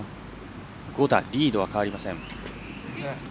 ５打リードは変わりません。